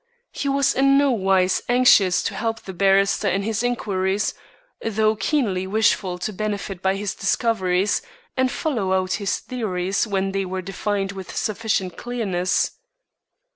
He was in nowise anxious to help the barrister in his inquiries, though keenly wishful to benefit by his discoveries, and follow out his theories when they were defined with sufficient clearness.